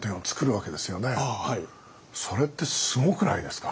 それってすごくないですか。